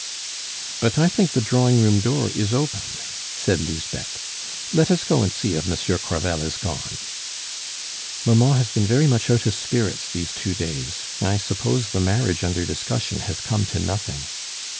"But I think the drawing room door is open," said Lisbeth; "let us go and see if Monsieur Crevel is gone." "Mamma has been very much out of spirits these two days. I suppose the marriage under discussion has come to nothing!"